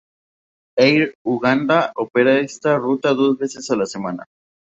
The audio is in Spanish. Air Uganda opera esta ruta dos veces a la semana.